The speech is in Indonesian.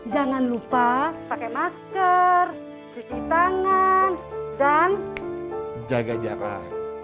jangan lupa pakai masker cuci tangan dan jaga jarak